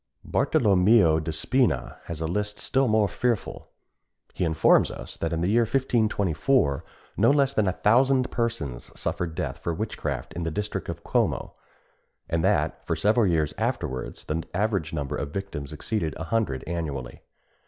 Bartolomeo de Spina has a list still more fearful. He informs us that in the year 1524 no less than a thousand persons suffered death for witchcraft in the district of Como, and that for several years afterwards the average number of victims exceeded a hundred annually.